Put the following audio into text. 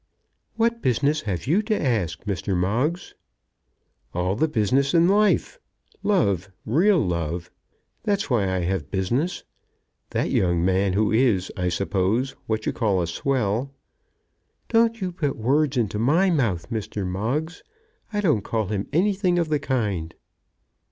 "What business have you to ask, Mr. Moggs?" "All the business in life. Love; real love. That's why I have business. That young man, who is, I suppose, what you call a swell." "Don't put words into my mouth, Mr. Moggs. I don't call him anything of the kind."